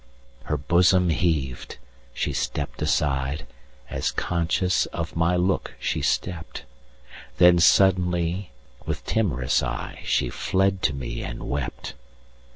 Her bosom heaved—she stepp'd aside, As conscious of my look she stept—Then suddenly, with timorous eyeShe fled to me and wept.